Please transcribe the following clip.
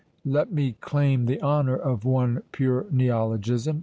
Let me claim the honour of one pure neologism.